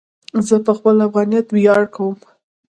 زه په خپل افغانیت ویاړ کوم.